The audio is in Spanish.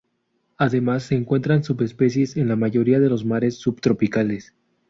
Además, se encuentran subespecies en la mayoría de los mares subtropicales.